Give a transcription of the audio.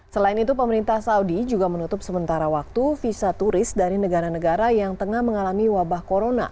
selain itu pemerintah saudi juga menutup sementara waktu visa turis dari negara negara yang tengah mengalami wabah corona